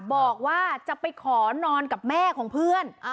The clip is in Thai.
บอกว่าจะไปขอนอนกับแม่ของเพื่อน